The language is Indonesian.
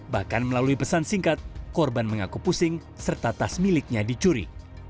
bahkan melalui pesan singkat korban mengaku pusing serta tas miliknya dicuri